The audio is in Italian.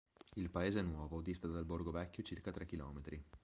Il paese nuovo dista dal borgo vecchio circa tre chilometri.